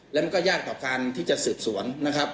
และมันก็ยากต่อการที่จะสืบสวน